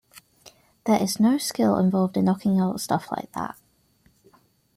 There is no skill involved in knocking out stuff like that!